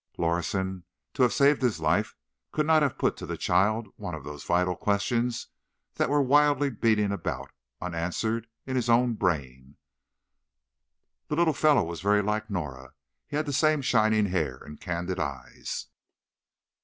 Lorison, to have saved his life, could not have put to the child one of those vital questions that were wildly beating about, unanswered, in his own brain. The little fellow was very like Norah; he had the same shining hair and candid eyes.